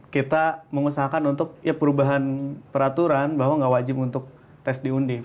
kita mengusahakan untuk ya perubahan peraturan bahwa nggak wajib untuk tes diundi